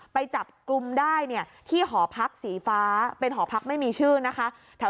ไปจับกลุ่มได้เนี่ยที่หอพักสีฟ้าเป็นหอพักไม่มีชื่อนะคะ